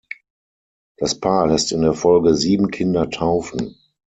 Das Paar lässt in der Folge sieben Kinder taufen.